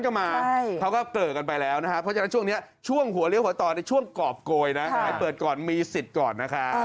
เขาก็เกิดกันไปแล้วนะครับเพราะแหละว่าเนี้ยช่วงหัวเรี่ยวหัวตอนในช่วงเกาะโกยนะครับเปิดก่อนมีสิทธิ์ก่อนนะคะ